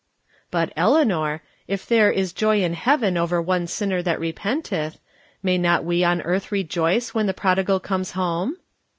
" But, Eleanor, if ' there is joy in heaven over one sinner that repenteth,' may not we on earth rejoice when the prodigal comes home